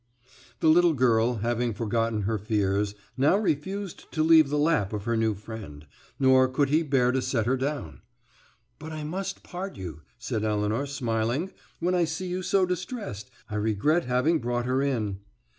The little girl, having forgotten her fears, now refused to leave the lap of her new friend; nor could he bear to set her down. "But I must part you," said Elinor, smiling; "when I see you so distressed, I regret having brought her in."